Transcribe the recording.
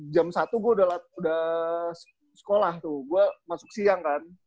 jam satu gue udah sekolah tuh gue masuk siang kan